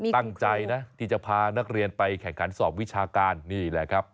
ตั้งใจนะที่จะพานักเรียนไปแข่งขันสอบวิชาการนี่แหละครับ